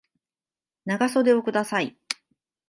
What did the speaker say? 長袖をください